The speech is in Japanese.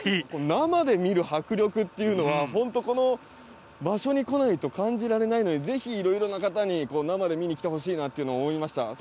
生で見る迫力っていうのはこの場所に来ないと感じられないので、是非いろんな方に生で見てほしいなと思いました。